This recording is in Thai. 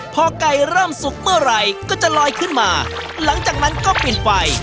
พอไก่เริ่มสุกเมื่อไหร่ก็จะลอยขึ้นมาหลังจากนั้นก็ปิดไฟ